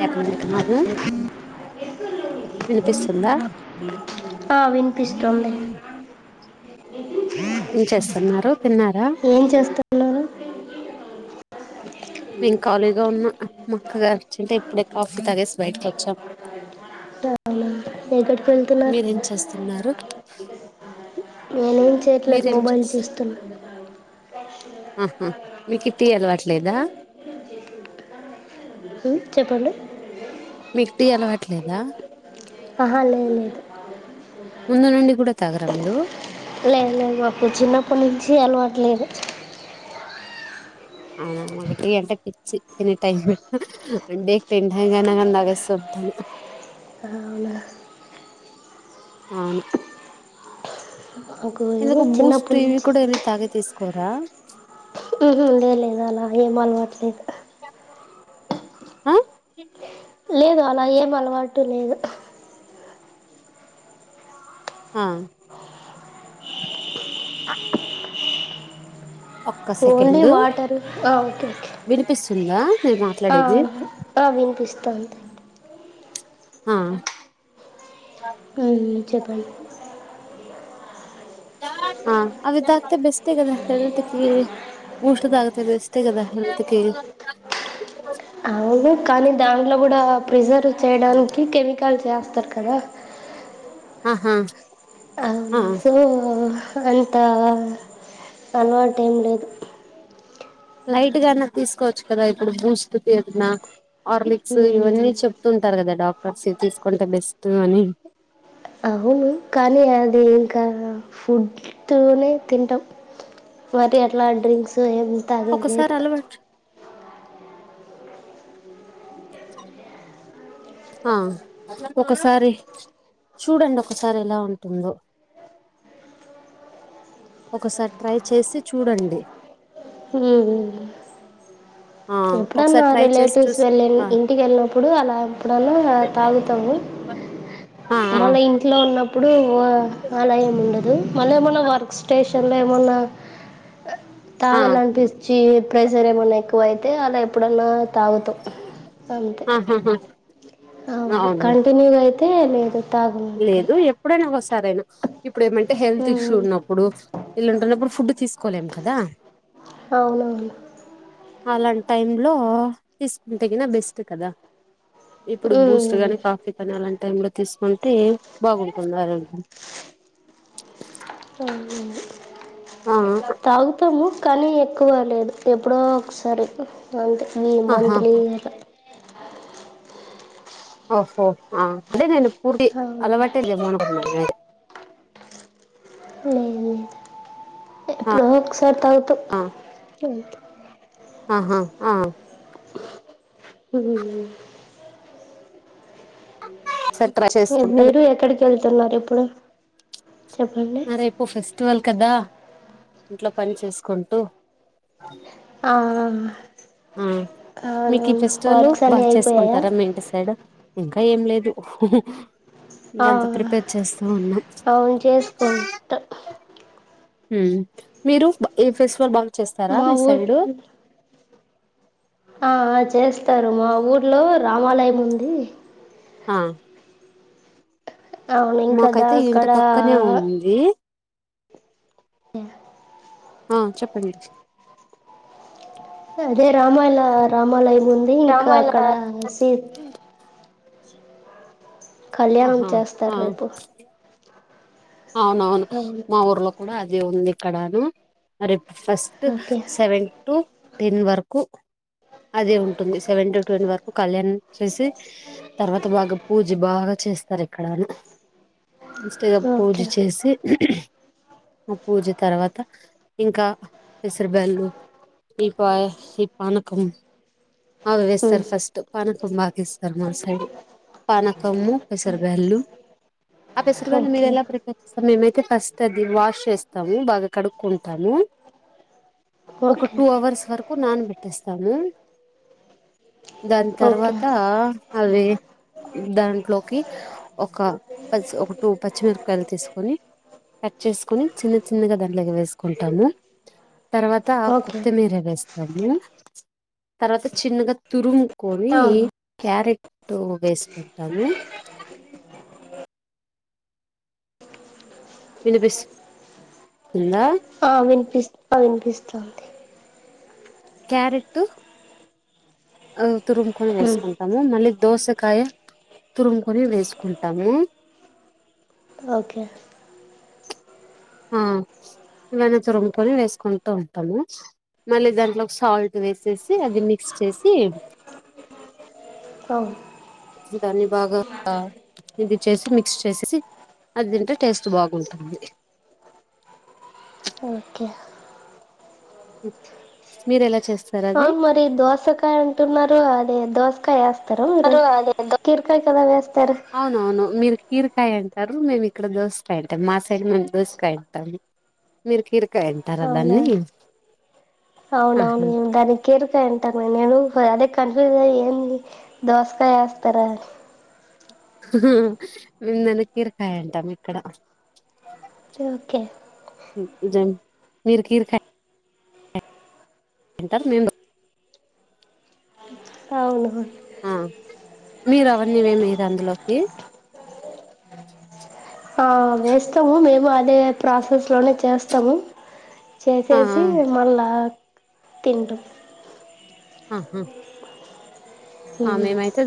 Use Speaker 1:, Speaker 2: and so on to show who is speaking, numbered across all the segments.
Speaker 1: చెప్పండి నాకు వినిపిస్తుందా
Speaker 2: ఆ వినిపిస్తోంది
Speaker 1: ఏం చేస్తున్నారు తిన్నారా
Speaker 2: ఏం చేస్తున్నారు
Speaker 1: మేము ఖాళీగా ఉన్న మా అక్క గారు చింటే ఇప్పుడే కాఫీ తగేసి బయటకొచ్చాం
Speaker 2: అవునా. ఎక్కడికి వెళ్తున్నారు
Speaker 1: మీరేం చేస్తున్నారు
Speaker 2: నేనేం చేయట్లేదు
Speaker 1: మీరేం
Speaker 2: మొబైల్
Speaker 1: చేస్
Speaker 2: చూస్తున్నా
Speaker 1: అహా మీకి టీ అలవట్లేదా
Speaker 2: ఉ చెప్పండి
Speaker 1: మీకి టీ అలవట్లేదా
Speaker 2: ఆహా లేదు లేదు
Speaker 1: ముందు నుండి కూడా తాగరా మీరు
Speaker 2: లేదు లేదు మాకు చిన్నప్పటి నుంచి అలవాటులేదు
Speaker 1: అవునా మనకి టీ అంటే పిచ్చి ఎనీ టైమ్ డేకి టెన్ టైం అయిన గాని తాగేస్తాటాను
Speaker 2: అవునా
Speaker 1: అవును
Speaker 2: మాకు ఏమో
Speaker 1: ఎందుకు బూస్ట్
Speaker 2: చిన్నప్పటి
Speaker 1: ఇవి కూడా ఏమి తాగె తీస్ కూరా
Speaker 2: ఉహు లే లేదు అలా ఏం అలవాట్లేదు
Speaker 1: ఆ
Speaker 2: లేదు అలా ఏం అలవాటు లేదు
Speaker 1: ఆ ఒక్క
Speaker 2: ఓన్లీ
Speaker 1: సెకండ్
Speaker 2: వాటరు ఆ ఓకే ఓకే
Speaker 1: వినిపిస్తుందా నేను
Speaker 2: ఆ
Speaker 1: మాట్లాడేది
Speaker 2: ఆ వినిపిస్తుంది
Speaker 1: ఆ
Speaker 2: [unintelligible] చెప్పండి
Speaker 1: ఆ అవి తాగితే బెస్టే గదా హెల్త్ కి బూస్ట్ తాగితే బెస్టే కదా హెల్త్ కి
Speaker 2: అవును కానీ దాంట్లో కూడా ప్రిజర్వ్ చేయడానికి కెమికల్ చే తర్ కదా
Speaker 1: ఆహా ఆ
Speaker 2: అంతే అంతా అలవాటు ఏం లేదు
Speaker 1: లైట్ గా అయినా తీసుకోవచ్చు కదా ఇప్పుడు బూస్ట్ పేదనా ఆర్లిక్స్
Speaker 2: మ్మ్
Speaker 1: ఇవన్నీ చెప్తుంటారు కదా డాక్టర్స్ ఇవి తీసుకుంటే బెస్ట్ అని
Speaker 2: అవును కానీ అది ఇంకా ఫుడ్ నే తింటాం మరి అట్లా డ్రింక్స్ ఏం తాగేది
Speaker 1: ఒకసారి
Speaker 2: లేదు
Speaker 1: అలవర్చు ఆ ఒకసారి చూడండి ఒకసారి ఎలా ఉంటుందో ఒకసారి ట్రై చేసి చూడండి
Speaker 2: ఉ
Speaker 1: ఆ ఒకసారి
Speaker 2: ఎప్పుడన్నా
Speaker 1: ట్రై చేసి
Speaker 2: రిలేటివ్స్
Speaker 1: చూసి
Speaker 2: వెళ్ళిన్
Speaker 1: ఆ
Speaker 2: ఇంటికి వెళ్ళినప్పుడు అలా ఎప్పుడన్నా తాగుతాము
Speaker 1: ఆ ఆ
Speaker 2: వాళ్ళ ఇంట్లో ఉన్నప్పుడు వా ఆలయం ఉండదు మళ్ళ ఏమన్నా వర్క్ స్టేషన్ లో ఏమన్నా
Speaker 1: ఆ
Speaker 2: తాగాలనిపించి ప్రెషర్ ఏమన్నా ఎక్కువయి తే అలా ఎప్పుడన్నా తవుతు అంతే
Speaker 1: ఆహాహా
Speaker 2: అ
Speaker 1: అవును
Speaker 2: కంటిన్యూయి దే లేదు తాగము ఇక్కడ
Speaker 1: లేదు ఎప్పుడైనా ఒకసారైనా ఇప్పుడు ఏమంటే హెల్త్
Speaker 2: ఉమ్,
Speaker 1: ఇష్యూ ఉన్నప్పుడు వీళ్లుంటున్నప్పుడు ఫుడ్ తీసుకోలేము కదా
Speaker 2: అవునవును
Speaker 1: అలాంటి టైమ్ లో తీసుకుంటేకిన బెస్ట్ కదా ఇప్పుడు
Speaker 2: ఉమ్,
Speaker 1: బూస్ట్ గానీ కాఫీ కాని అలాంటి టై లో తీసు తె బాగుంతున్నా
Speaker 2: ఆ తాగుతము కానీ ఎక్కువ లేదు ఎప్పుడో ఒకసారి అంతే ఈ
Speaker 1: ఆహా
Speaker 2: మంత్లీ గ
Speaker 1: ఓహొహ అదే నేను పూర్టి
Speaker 2: అవును
Speaker 1: అలవాటె లెవ్వు [unintelligible]
Speaker 2: లేదు లేదు
Speaker 1: ఆ
Speaker 2: ఎప్పుడో ఒకసారి తాగుతం
Speaker 1: ఆ ఆహా ఆ
Speaker 2: హు
Speaker 1: సెంట్రా
Speaker 2: ఏ-
Speaker 1: చేస్తుంటరు
Speaker 2: మీరు ఎక్కడికి వెళ్తున్నారు ఇప్పుడు చెప్పండి
Speaker 1: ఆ రేపు ఫెస్టివల్ కదా ఇంట్లో పని చేసుకుంటూ
Speaker 2: ఆ ఆ అ
Speaker 1: ఉమ్ మీకీ ఫెస్టివల్
Speaker 2: వర్క్స్ అన్నీ
Speaker 1: బాగా
Speaker 2: అయిపోయాయా
Speaker 1: చేసుకుంటారా మీ ఇంటి సైడు ఇంకా ఏం లేదు
Speaker 2: ఆ
Speaker 1: ఇంకంత ప్రిపేర్ చేస్తూ ఉన్నాం
Speaker 2: అవును చేసుకుంటా
Speaker 1: ఉమ్ మీరు బా ఏ ఫెస్టివల్ బా
Speaker 2: మా ఊర్ ఆ ఆ చేస్తారు మా ఊర్లో రామాలయం ఉంది.
Speaker 1: ఆ
Speaker 2: అవును
Speaker 1: మాకైతే ఈ ఇంటి
Speaker 2: ఇంకదాక్కడా
Speaker 1: పక్కనే ఉంది
Speaker 2: [inaudible]
Speaker 1: ఆ చెప్పండి
Speaker 2: అదే రామాల రామాలయం ఉంది ఇంకా అక్కడ సీ కళ్యాణం
Speaker 1: ఆహా ఆ
Speaker 2: చేస్తారు రేపు
Speaker 1: అవునవును
Speaker 2: అవును
Speaker 1: మా ఊర్లో కూడా అదే ఉంది ఇక్కడను అరే first
Speaker 2: okay
Speaker 1: seven to ten వరకు అదే ఉంటుంది సెవెన్ టు టెన్ వరకు కళ్యాణం చేసి తర్వాత బాగా పూజ బాగా చేస్తారు ఇక్కడ పూజ
Speaker 2: ఓకే
Speaker 1: చేసి ఆ పూజ తర్వాత ఇంకా పెసరబెళ్ళు ఈ పా ఈ పానకం అవి వేస్తారు
Speaker 2: ఉమ్.
Speaker 1: ఫస్ట్ పానకం బాగా ఇస్తారు మా సైడ్ పానకము పెసరబయళ్ళు ఆ పెసరబాలు మీర
Speaker 2: ఓకే
Speaker 1: ఎలా మేమైతే ఫస్ట్ అది వాష్ చేస్తాము బాగా కడుక్కుంటాము ఒక
Speaker 2: ఓకే
Speaker 1: టూ అవర్స్ వరకు నానబెట్టేస్తాము దాని
Speaker 2: ఓకే
Speaker 1: తర్వాత అవి దాంట్లోకి ఒక పచ్చి ఒక టూ పచ్చిమిర కాయలు తీసుకొని కట్ చేసుకొని చిన్న చిన్నగా దాంట్లోకి వేసుకుంటాము తర్వాత
Speaker 2: ఓకే
Speaker 1: కొత్తిమీర వేస్తా తర్వాత చిన్నగా తురుం కోరి
Speaker 2: అవును
Speaker 1: క్యారెట్ టు వేసుకుంటాము వినిపిస్తుందా
Speaker 2: ఆ వినిపిస్ వినిపిస్తుంది
Speaker 1: క్యారెట్ ఆ తురుముకొని వేసుకుంటాము మళ్ళీ దోసకాయ తురుముకొని వేసుకుంటాము
Speaker 2: ఓకే
Speaker 1: ఇవన్న తురుంగకొని వేసుకుంటూ ఉంటాము మళ్ళీ దాంట్లో ఒక సాల్ట్ వేసేసి అది మిక్స్ చేసి
Speaker 2: అవును
Speaker 1: దాన్ని బాగా ఇది చేసి మిక్స్ చేసేసి అది తింటే టేస్ట్ బాగుంటుంది
Speaker 2: ఓకే
Speaker 1: మీర ఎలా చేస్త
Speaker 2: అవును మరి దోసకాయ అంటున్నారు అది దోస్ కాయ అస్త స్తారా మీరు కిరక కదా వేస్తారు
Speaker 1: అవునవును మీరు కీరకాయ అంటారు మేము ఇక్కడ దోసకాయ అంటాం మా సైడ్ మేము దోసకాయ అంటాము మీరు కీరకాయ అంటారా
Speaker 2: అవునా
Speaker 1: దాన్ని ఆహా
Speaker 2: అవునవును దాని కిర్కాయ అంటారు నేను అదే కన్ఫ్యూజ్ అయి ఏంది దోసకాయా వేస్తారా అని
Speaker 1: మేము దాని కీరకాయ అంటాం ఇక్కడ
Speaker 2: అని ఓకే
Speaker 1: దిన్ మీరు కిరకాయి అంటాం మేము
Speaker 2: అవును
Speaker 1: ఆ మీరు అవన్నీ ఏం వేయరా అందులోకి
Speaker 2: ఆ వేస్తాము మేము అ అదే ప్రాసెస్ లోనే చేస్త త్తము
Speaker 1: ఆ
Speaker 2: చేసేసి మళ్ళా తడు
Speaker 1: ఆహా ఆ
Speaker 2: ఉమ్.
Speaker 1: మేము అయితే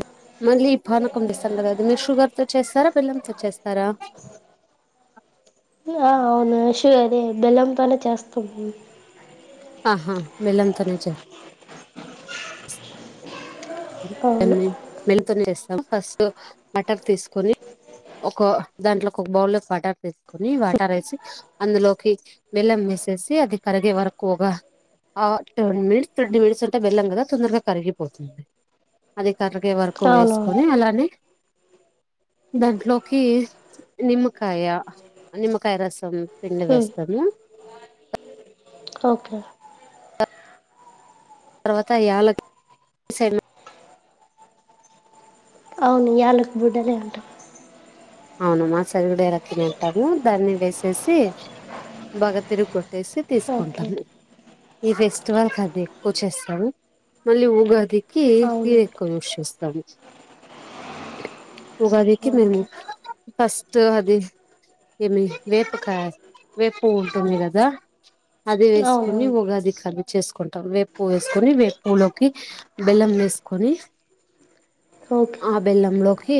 Speaker 1: మళ్ళీ ఈ పానకం చేస్తాము కదా అది మీరు షుగర్ తో చేస్తారా బెల్లం తో చేస్తారా
Speaker 2: ఆ అవునుషుగా అదే బెల్లంతోనే చేస్తాము
Speaker 1: ఆహా బేలం తోనే చెయ
Speaker 2: అవును
Speaker 1: [unintelligible] స్తాము ఫస్ట్ బటర్ తీసుకొని ఒక దాంట్లోకి ఒక బౌల్ బటర్ తీసుకొని వాటర్ వేసి అందులోకి బెల్లం వేసేసి అది కరిగే వరకు ఒక ఆ టెన్ మినిట్స్ థర్టీ మినిట్స్ ఉంటే బెల్లం కదా తొందరగా కరిగిపోతుంది అదే కరిగే వరకు
Speaker 2: అవునవును
Speaker 1: వేసుకొని అలానే దాంట్లోకి నిమ్మకాయ నిమ్మకాయ రసం పిండి
Speaker 2: ఉమ్,
Speaker 1: వేస్తాము
Speaker 2: ఓకే
Speaker 1: తర్వాత యాలక్ సి
Speaker 2: అవును యాళ్ళకు బుడ్డనే ఉంటాం
Speaker 1: అవునమ్మా సరిగుడే ర తినంటాము దాన్ని వేసేసి భగ తిరుగు ట్టేసి
Speaker 2: ఓకే
Speaker 1: తీసుకుంటాము ఈ ఫెస్టివల్ కి అది ఎక్కువ చేస్తాము మళ్ళీ ఉగాదికి నేయి
Speaker 2: అవునవును
Speaker 1: ఎక్కువ యూస్ చేస్తాము ఉగాదికి మేము
Speaker 2: ఓకే
Speaker 1: ఫస్ట్ అది ఏమి వేపు కా వేపు ఉంటుంది కదా అదే వేస్కొని
Speaker 2: అవునవును
Speaker 1: ఉగాదికి అది చేస్కుంటాం వేప్ పొస్కొని వేప్ పువ్వులోకి బెల్లం వేస్కొని.
Speaker 2: ఓకే
Speaker 1: ఆ బెల్లంలోకి హే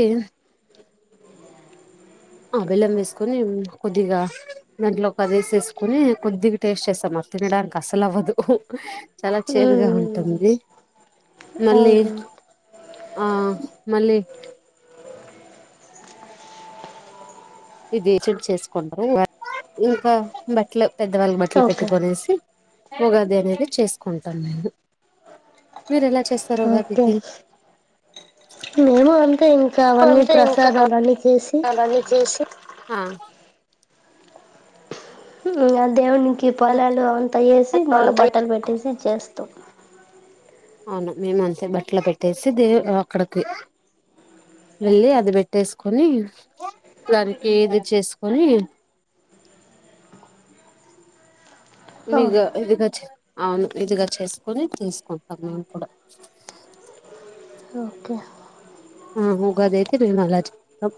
Speaker 1: ఆ బెల్లం వేస్కొని కొద్దిగా దాంట్లో పదేసేస్కొనీ కొద్దిగా టేస్ట్ చేస్తాం అ తినడానికస్సలు అవ్వదు చాలా చేదుగా
Speaker 2: హ్మ్.
Speaker 1: ఉంటుంది. మళ్ళీ
Speaker 2: అవునవును
Speaker 1: ఆ మళ్ళీ ఇది చెక్ చేస్కుంట్రు ఇంకా బట్ల్ లేవ్. పెద్దవాళ్ళ బట్ల్
Speaker 2: ఓకే
Speaker 1: పెట్టుకొనేసి ఉగాది అనేది చేస్కుంటాం మేము మీరు ఎలా. చేస్తారు
Speaker 2: ఓకే
Speaker 1: ఉగాదికి
Speaker 2: మేము అంతే ఇంకా అవన్నీ
Speaker 1: అంతే
Speaker 2: ప్రసాదాలు అన్నీ చేసి.
Speaker 1: హా
Speaker 2: ఆ దేవున్ని కి పొలాలు అంతా ఏసి మళ్ళ
Speaker 1: అవును
Speaker 2: బట్టలు పెట్టేసి ఇచేస్తాం.
Speaker 1: అవును మేము అంతే బట్టలు పెట్టేసి దే అ అక్కడికి ఎళ్ళి అది బెట్టేస్కొని లారీకి ఇది చేస్కొని. ఇవిగా
Speaker 2: అవును
Speaker 1: ఇదిగా చే అవును ఇదిగా చేస్కొని తీస్కుంటాం మేమ్ కూడా.
Speaker 2: ఓకే
Speaker 1: ఆ ఉగాది అయితే మేము అలా చేస్తాం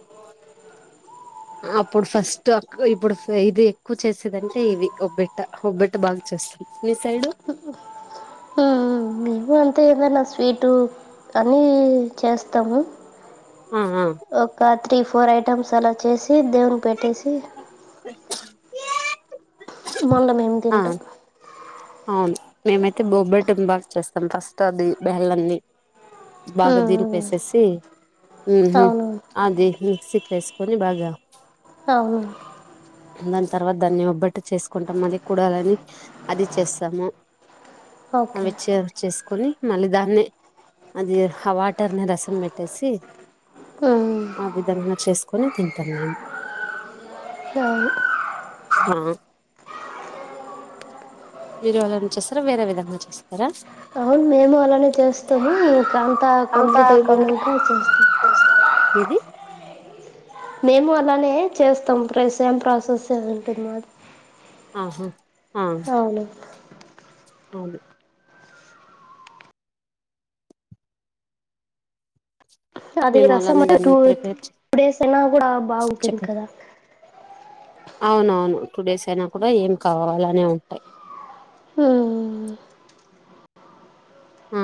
Speaker 1: అప్పుడు ఫస్ట్ అకు ఇప్పుడు ఫేదీ ఎక్కువ చేసేదంటే ఇవి ఒబ్బిట్ట ఒబ్బిట్ట బాగా చేస్తాం మీ సైడు.
Speaker 2: తే ఏమైనా స్వీటు అనీ చేస్తాము.
Speaker 1: ఆ ఆ
Speaker 2: ఒక త్రీ ఫోర్ ఐటమ్స్ అలా చేసి దేవుని పెట్టేసి వి మొండ మేం
Speaker 1: ఆ
Speaker 2: తింటాం
Speaker 1: అవును మేమైతే బొబ్బేటం బాగా చేస్తాం ఫస్ట్ అది బేల్లంన్నీ బాగా దిల్పేసేసి. ఉ హు
Speaker 2: అవును
Speaker 1: అది మిక్సీ వేస్కొని బాగా
Speaker 2: అవును
Speaker 1: దాని తర్వాత దాన్ని ఒబ్బట్టు చేస్కుంటాం మళ్ళీ కుడాలని అది. చేస్తాము
Speaker 2: ఓకే
Speaker 1: అవిచ్చ చేస్కొని మళ్ళీ దాన్ని అది హ వాటర్ని రసం బెట్టేసి
Speaker 2: ఉమ్,
Speaker 1: ఆ విధంగా చేస్కొని తింటాం మేమ్.
Speaker 2: కాదు
Speaker 1: ఆ మీరు అలనే చేస్తారా వేరే విధంగా చేస్తారా.
Speaker 2: అవును మేము అలానే చేస్తాము ఇంకా అంత్ తా
Speaker 1: అంతా
Speaker 2: కంప్లీట్
Speaker 1: కొం
Speaker 2: అయిపోయినక చేస్తాం
Speaker 1: ఇది
Speaker 2: మేము అలానే చేస్తాం ప్రా సేమ్ ప్రొసెస్సే ఉంటంది మాది.
Speaker 1: ఆహా ఆ
Speaker 2: అవును
Speaker 1: అవును
Speaker 2: అదే
Speaker 1: మేము
Speaker 2: రసం
Speaker 1: అలానే
Speaker 2: అ టూ
Speaker 1: దాన్ని ప్రిపేర్
Speaker 2: టూ డేస్ అయినా కూడా బాగుంటుంది
Speaker 1: చెప్పండి
Speaker 2: కదా
Speaker 1: అవునవును టూ డేస్ అయినా కూడ ఎంకావు అలనే ఉంటాయి
Speaker 2: ఉమ్,
Speaker 1: ఆ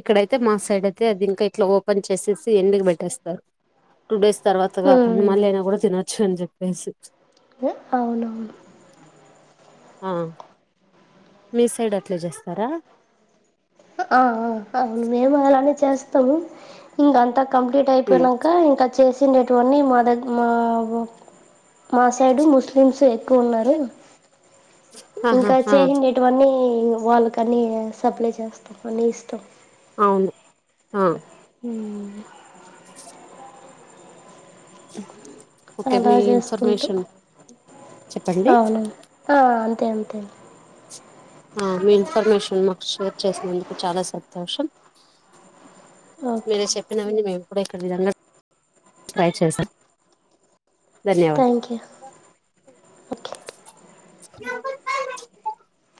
Speaker 1: ఇక్కడైతే మా సైడ్ అయితే అది ఇంకా ఇట్లా ఓపెన్ చేసేసి ఎండకి పెట్టేస్తారు టూ డేస్ తర్వాతగా
Speaker 2: ఉమ్,
Speaker 1: కొన్ని మళ్ళిఅయినా కూడా తినొచ్చు అని చెప్పేసి
Speaker 2: అవునవును
Speaker 1: ఆ మీ సైడ్అట్లేచేస్తారా
Speaker 2: ఆ అ అవును మేము అలానే చేస్ త్తమ ఇంక అంత కంప్లీట్ అయిపోయినంక ఇంక చేసండేటువన్నీ మా దగ్గ మా అ మా సైడు ముస్లిమ్స్ ఎక్కువ ఉన్నారు ఇంక
Speaker 1: ఆహా
Speaker 2: చేసిండెటివన్నీ వాళ్ళకని సప్లైచేస్తాం అన్ని ఇస్తాం
Speaker 1: అవును ఆ
Speaker 2: ఉమ్
Speaker 1: [unintelligible] ఓకే
Speaker 2: అలా
Speaker 1: మీ
Speaker 2: చేసుకుంటూ
Speaker 1: ఇన్ఫర్మేషన్ చెప్పండి
Speaker 2: అవునండి అే అంతే అంతే
Speaker 1: మీ ఇన్ఫర్మేషన్ మాకు షేర్ చేసినందుకు చాలా సంతోషం
Speaker 2: ఓకే
Speaker 1: మీరే చెప్పిన [unintelligible] మేమ్ ఇప్పుడ అక్కడ రియల్గా ట్రై చేసా
Speaker 2: థ్యాంక్ యూ ఓకే
Speaker 1: [unintelligible]